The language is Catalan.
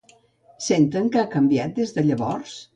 Senten que ha canviat des de llavors?